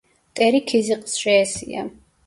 მტერი ქიზიყს შეესია.